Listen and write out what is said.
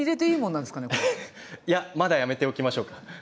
いやまだやめておきましょうか。